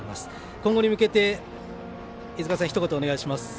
今後に向けて飯塚さんひと言お願いします。